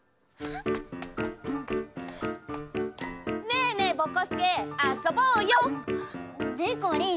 ねえねえぼこすけあそぼうよ！でこりん